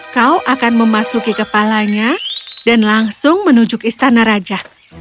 kau akan memasuki kepalanya dan langsung menuju istana raja